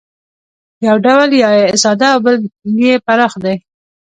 یو ډول یې ساده او بل یې پراخ دی